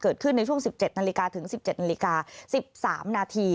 เกิดขึ้นในช่วง๑๗นาฬิกาถึง๑๗นาฬิกา๑๓นาที